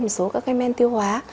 một số các cái men tiêu hóa